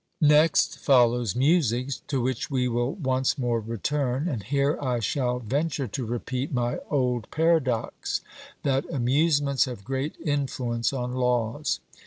Next follows music, to which we will once more return; and here I shall venture to repeat my old paradox, that amusements have great influence on laws.